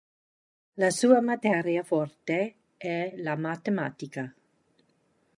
La sua materia forte è la matematica.